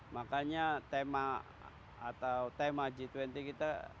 makanya tema atau tema g dua puluh kita